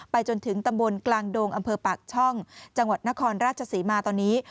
จนถึงตำบลกลางดงอำเภอปากช่องจังหวัดนครราชศรีมาตอนนี้